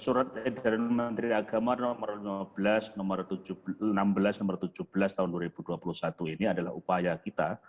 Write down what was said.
surat edaran menteri agama nomor lima belas nomor enam belas nomor tujuh belas tahun dua ribu dua puluh satu ini adalah upaya kita